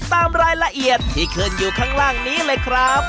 ตามรายละเอียดที่ขึ้นอยู่ข้างล่างนี้เลยครับ